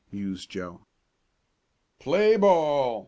mused Joe. "Play ball!"